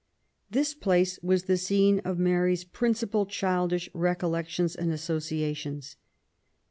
This place was the scene of Mary's principal childish recollections and associations.